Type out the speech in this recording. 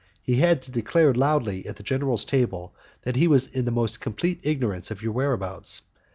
He had to declare loudly at the general's table that he was in the most complete ignorance of your whereabouts.